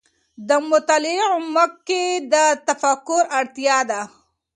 د مطالعې عمق کې د تفکر اړتیا ده.